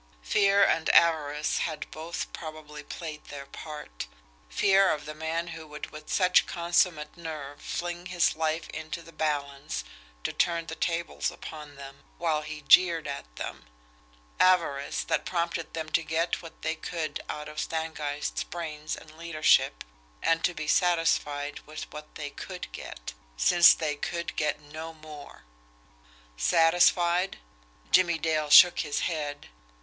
Fear and avarice had both probably played their part; fear of the man who would with such consummate nerve fling his life into the balance to turn the tables upon them, while he jeered at them; avarice that prompted them to get what they could out of Stangeist's brains and leadership, and to be satisfied with what they COULD get since they could get no more! Satisfied? Jimmie Dale shook his head.